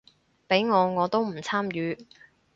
畀我我都唔參與